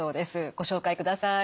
ご紹介ください。